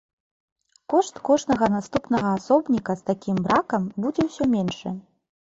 Кошт кожнага наступнага асобніка з такім бракам будзе ўсё меншы.